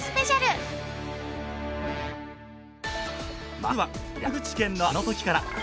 まずは山口県のあのときから。